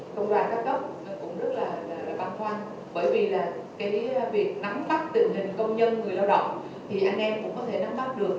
công đoàn cao cấp cũng rất là băng khoan bởi vì việc nắm bắt tình hình công nhân người lao động thì anh em cũng có thể nắm bắt được